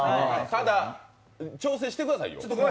ただ、調整してくださいよ。